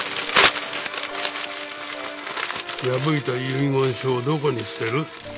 破いた遺言書をどこに捨てる？